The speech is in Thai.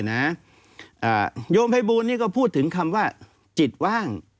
ภัยบูรณ์นี้ก็พูดถึงคำว่าจิตว่าง